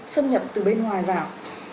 xâm nhập từ bên ngoài vào